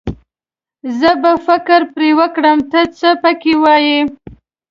زه به فکر پرې وکړم، ته څه پکې وايې.